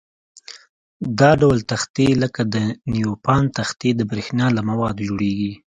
دا ډول تختې لکه د نیوپان تختې د برېښنا له موادو جوړيږي.